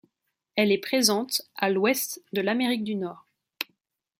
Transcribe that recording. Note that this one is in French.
Elle est présente à l’ouest de l’Amérique du Nord.